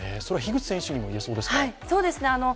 それは樋口選手にも言えそうですか？